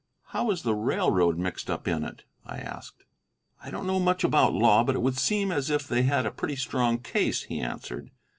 "How is the railroad mixed up in it?" I asked. "I don't know much about law, but it would seem as if they had a pretty strong case," he answered.